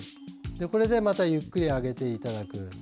これでゆっくり上げていただく。